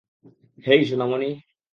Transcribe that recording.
হেই, সোনামণি।